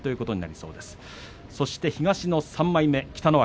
そして東の３枚目北の若。